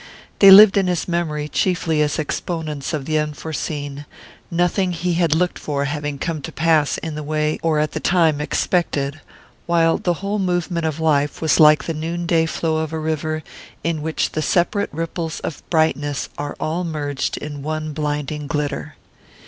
They lived in his memory chiefly as exponents of the unforeseen, nothing he had looked for having come to pass in the way or at the time expected; while the whole movement of life was like the noon day flow of a river, in which the separate ripples of brightness are all merged in one blinding glitter.